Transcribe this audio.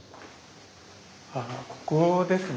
ああここですね。